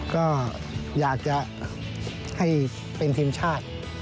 ก็อยากจะให้เป็นทีมชาติ